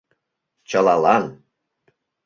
Чылалан.